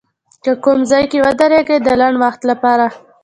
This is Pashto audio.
که کوم ځای کې ودرېږي د لنډ وخت لپاره